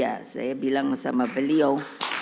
ada bungkem ya saya bilang sama beliau